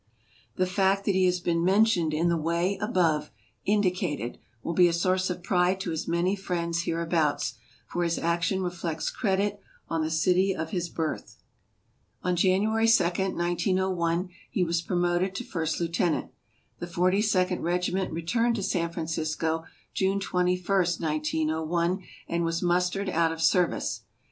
The fact that he has been mentioned in the way above indicated will be a source of pride to his many friends hereabouts, for his action reflects credit on the city of his birth. On January 2, 1901, he was promoted to First Lieutenant. The Forty second Regi ment returned to San Francisco, June 21, 1901, and was mustered out of service.